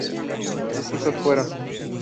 Sus hijos fueron.